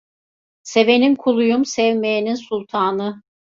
Sevenin kuluyum, sevmeyenin sultanı.